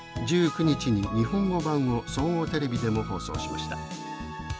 １９日に日本語版を総合テレビでも放送しました。